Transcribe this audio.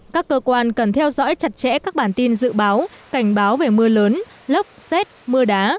các cơ quan cần theo dõi chặt chẽ các bản tin dự báo cảnh báo về mưa lớn lốc xét mưa đá